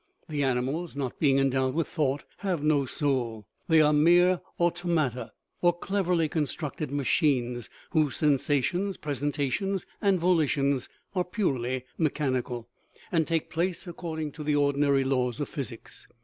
The animals, not being en dowed with thought, have no soul : they are mere auto mata, or cleverly constructed machines, whose sensa tions, presentations, and volitions are purely mechan ical, and take place according to the ordinary laws of physics.